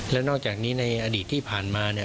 และนอกจากนี้ในอดีตที่ผ่านมา